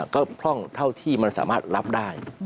ก็พร่องเท่าที่มันสามารถรับได้